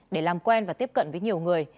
để làm quen và tiếp cận với nhiều người